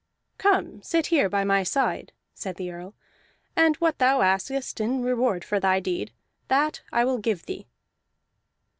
"Come, sit here by my side," said the Earl, "and what thou askest in reward for thy deed, that I will give thee."